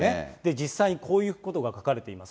実際にこういうことが書かれています。